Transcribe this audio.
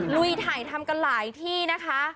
ลุยถ่ายทำกันหลายที่นะคะ